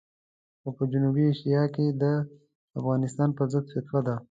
خو په جنوبي اسیا کې د افغانستان پرضد فتوا ده.